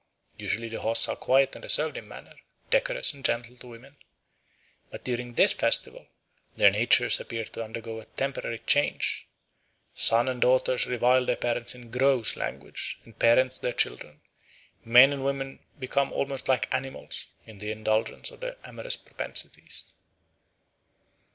Usually the Hos are quiet and reserved in manner, decorous and gentle to women. But during this festival "their natures appear to undergo a temporary change. Sons and daughters revile their parents in gross language, and parents their children; men and women become almost like animals in the indulgence of their amorous propensities."